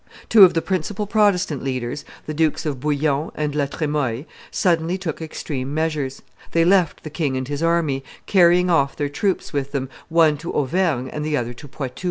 Two of the principal Protestant leaders, the Dukes of Bouillon and La Tremoille, suddenly took extreme measures; they left the king and his army, carrying off their troops with them, one to Auvergne and the other to Poitou.